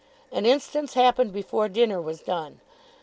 An instance happened before dinner was done.